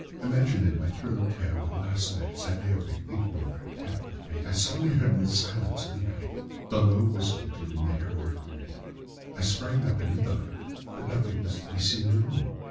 Imagine, then, my thrill of terror when last night, as I lay awake, thinking over her terrible fate, I suddenly heard in the silence of the night the low whistle which had been the herald of her own death. I sprang up and lit the lamp, but nothing was to be seen in the room.